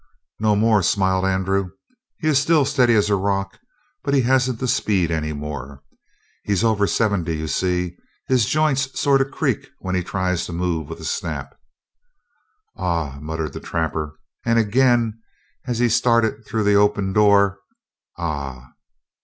"No more," smiled Andrew. "He's still steady as a rock, but he hasn't the speed any more. He's over seventy, you see. His joints sort of creak when he tries to move with a snap." "Ah," muttered the trapper, and again, as he started through the open door, "Ah!"